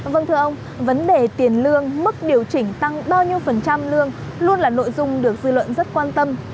vâng thưa ông vấn đề tiền lương mức điều chỉnh tăng bao nhiêu phần trăm lương luôn là nội dung được dư luận rất quan tâm